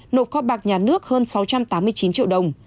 nộp kho bạc nhà nước hơn sáu trăm tám mươi chín triệu đồng